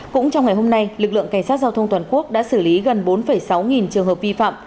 cũng trong ngày hôm nay lực lượng cảnh sát giao thông toàn quốc đã xử lý gần bốn sáu nghìn trường hợp vi phạm